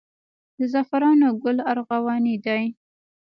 د زعفرانو ګل ارغواني دی